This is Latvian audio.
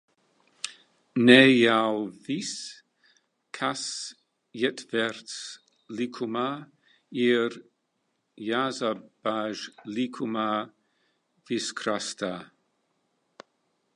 Ne jau viss, kas ietverts likumā, ir jāsabāž likuma virsrakstā.